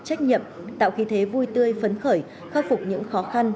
trách nhiệm tạo khí thế vui tươi phấn khởi khắc phục những khó khăn